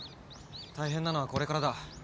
大変なのはこれからだ。